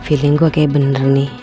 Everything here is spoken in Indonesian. feeling gue kayak bener nih